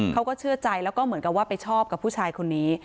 เขาก็เชื่อใจแล้วก็เหมือนกับว่าไปชอบกับผู้ชายคนนี้